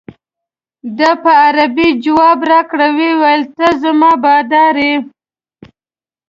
ده په عربي جواب راکړ ویل ته زما بادار یې.